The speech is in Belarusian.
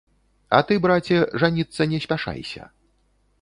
А ты, браце, жаніцца не спяшайся.